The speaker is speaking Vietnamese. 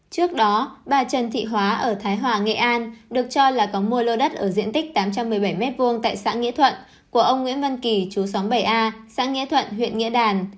trước đó bà trần thị hóa ở thái hòa nghệ an được cho là có mua lô đất ở diện tích tám trăm một mươi bảy m hai tại xã nghĩa thuận của ông nguyễn văn kỳ chú xóm bảy a xã nghĩa thuận huyện nghĩa đàn